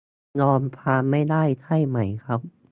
ยอมความไม่ได้ใช่ไหมครับ